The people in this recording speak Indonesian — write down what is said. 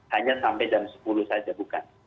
hanya sampai jam sepuluh saja bukan